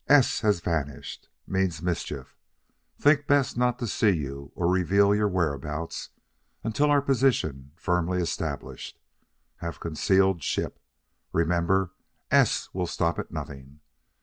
S has vanished. Means mischief. Think best not to see you or reveal your whereabouts until our position firmly established. Have concealed ship. Remember, S will stop at nothing.